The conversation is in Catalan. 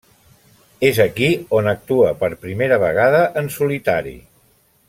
És aquí on actua per primera vegada en solitari.